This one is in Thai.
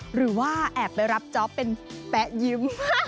หรือว่าแอบไปรับจ๊อปเป็นแป๊ะยิ้ม